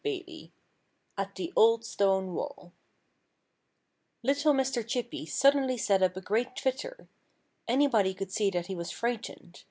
II AT THE OLD STONE WALL Little Mr. Chippy suddenly set up a great twitter. Anybody could see that he was frightened.